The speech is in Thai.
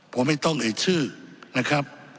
ผมไม่ต้องเอ่ยชื่อนะครับ